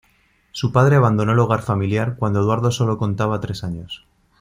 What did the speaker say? Su padre abandonó el hogar familiar cuando Eduardo sólo contaba tres años.